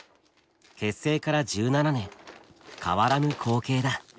結成から１７年変わらぬ光景だ。